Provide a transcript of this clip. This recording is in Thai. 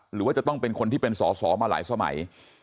หรือว่าจะต้องเป็นคนที่เป็นสอสอมาหลายสมัย